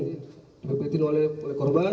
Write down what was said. di pepetin oleh korban